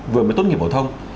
vừa mới tốt nghiệp phổ thông